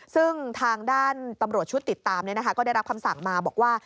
ซึ่งทางด้านตำรวจชุดติดตามก็ได้รับคำสั่งมาบอกว่า